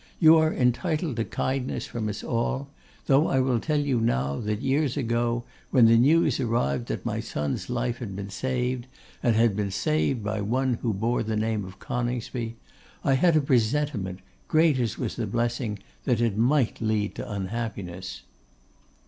You are entitled to kindness from us all; though I will tell you now, that, years ago, when the news arrived that my son's life had been saved, and had been saved by one who bore the name of Coningsby, I had a presentiment, great as was the blessing, that it might lead to unhappiness.